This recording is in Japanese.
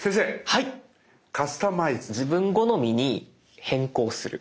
はいカスタマイズは自分好みにする。